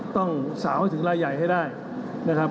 ต้องสาวให้ถึงรายใหญ่ให้ได้นะครับ